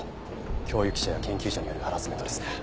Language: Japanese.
教育者や研究者によるハラスメントです。